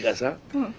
うん。